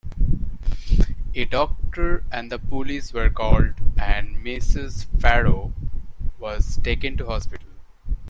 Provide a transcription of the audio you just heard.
A doctor and the police were called and Mrs Farrow was taken to hospital.